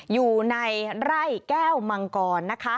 อยู่ในไร่แก้วมังกรนะคะ